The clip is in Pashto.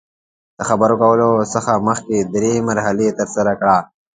د خبرو کولو څخه مخکې درې مرحلې ترسره کړه.